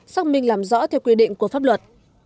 xác minh làm rõ theo quy định của pháp luật